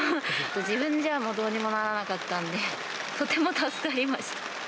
自分じゃ、どうにもならなかったので、とても助かりました。